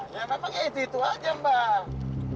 ya memang ya itu itu aja mbak